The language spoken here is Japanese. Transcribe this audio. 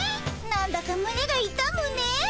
なんだかむねがいたむねえ。